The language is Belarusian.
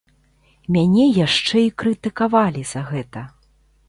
Мяне яшчэ і крытыкавалі за гэта.